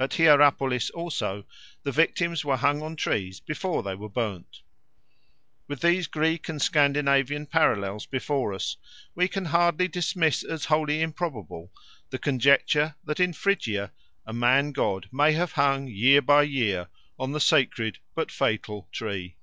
At Hierapolis also the victims were hung on trees before they were burnt. With these Greek and Scandinavian parallels before us we can hardly dismiss as wholly improbable the conjecture that in Phrygia a man god may have hung year by year on the sacred but fatal tree.